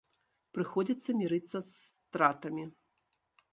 Прыходзіцца мірыцца з стратамі.